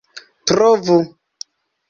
trovu